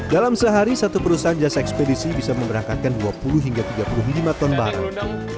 dalam sehari satu perusahaan jasa ekspedisi bisa memberangkatkan dua puluh hingga tiga puluh lima ton barang